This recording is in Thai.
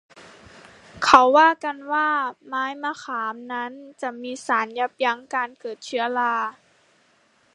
เขาว่ากันว่าไม้มะขามนั้นจะมีสารยับยั้งการเกิดเชื้อรา